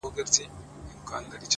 مسئلې د مينې مه چېړه " افګاره"